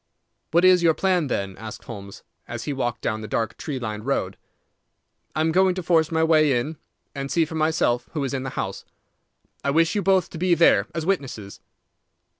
"What is your plan, then?" asked Holmes, as he walked down the dark tree lined road. "I am going to force my way in and see for myself who is in the house. I wish you both to be there as witnesses."